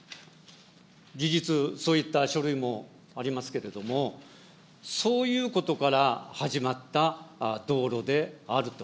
事実、そういった書類もありますけれども、そういうことから始まった道路であると。